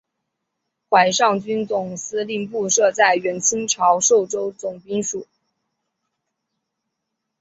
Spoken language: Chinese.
淮上军总司令部设在原清朝寿州总兵署。